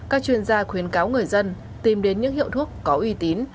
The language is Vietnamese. các chuyên gia khuyến cáo người dân tìm đến những hiệu thuốc có uy tín